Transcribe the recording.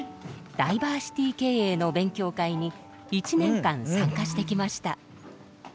ダイバーシティー経営の勉強会に１年間参加してきました。